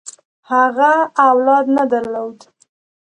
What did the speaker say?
هغه اولاد نه درلود.